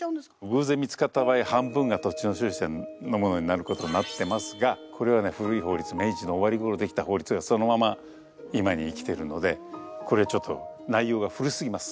偶然見つかった場合は半分が土地の所有者のものになることになってますがこれはね古い法律明治の終わりごろ出来た法律がそのまま今に生きてるのでこれちょっと内容が古すぎます。